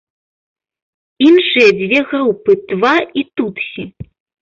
Іншыя дзве групы тва і тутсі.